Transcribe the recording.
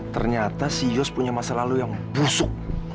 ternyata si yus punya masa lalu yang busuk